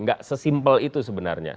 nggak sesimpel itu sebenarnya